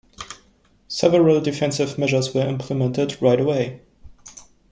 Several defensive measures were implemented right away.